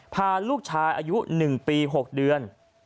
พาลูกชายอายุ๑ปี๖เดือน